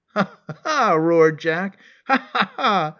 *'Ha! ha!" roared Jack. *'Ha! ha! ha!"